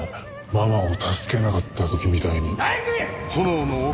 ママを助けなかった時みたいに。